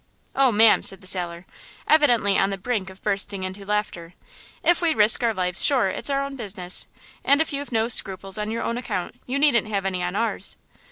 "Oh, ma'am," said the sailor, evidently on the brink of bursting into laughter, "if we risk our lives, sure, it's our own business, and if you've no scruples on your own account, you needn't have any on ours!"